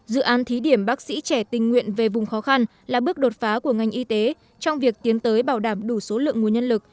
dự án thí điểm bác sĩ trẻ tình nguyện về vùng khó khăn là bước đột phá của ngành y tế trong việc tiến tới bảo đảm đủ số lượng nguồn nhân lực